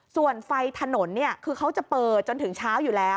ส่วนไฟถนนคือเขาจะเปิดจนถึงเช้าอยู่แล้ว